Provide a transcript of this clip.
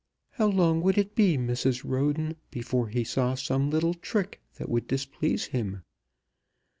How long would it be, Mrs. Roden, before he saw some little trick that would displease him?